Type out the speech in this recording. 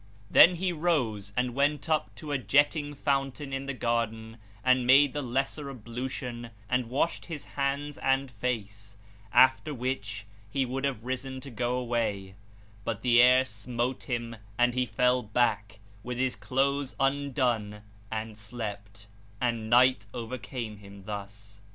Then he rose and went up to a jetting fountain in the garden and made the lesser ablution and washed his hands and face, after which he would have risen to go away; but the air smote him and he fell back, with his clothes undone and slept, and night overcame him thus.